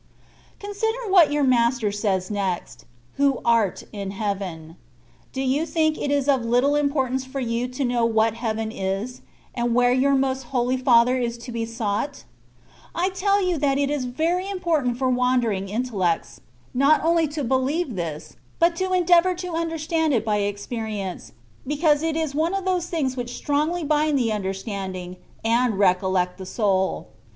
* CoNsiDEK what your Master says next :^' Who art in Heaven/^ Do you think it is of little im portance for you to know what heaven is, and where your Most Holy Father is to be sought ? I tell you that it is very important for wandering intellects, not only to believe this, but to endea vour to understand it by experience, because it is one of those things which strongly bind the understanding and recollect the soul.